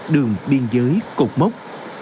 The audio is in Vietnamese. đường biên giới cục mốc